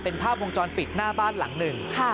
เป็นภาพวงจรปิดหน้าบ้านหลังหนึ่ง